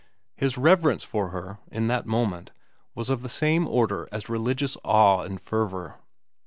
His reverence for her, in that moment, was of the same order as religious awe and fervor.